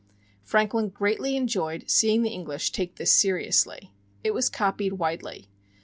Franklin greatly enjoyed seeing the English take this seriously. It was copied widely.